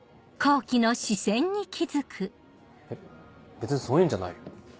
べ別にそういうんじゃないよ。